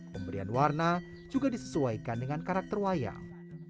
pemberian warna juga disesuaikan dengan karakter wayang